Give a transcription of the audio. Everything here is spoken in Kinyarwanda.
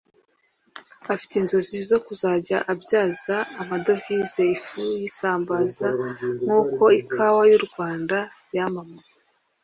Afite inzozi zo kuzajya abyaza amadovize ifu y’isambaza nkuko ikawa y’u Rwanda yamamaye